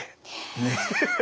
ねえ。